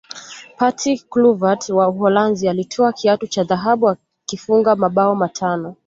patrick kluivert wa uholanzi alitwaa kiatu cha dhahabu akifunga mabao matano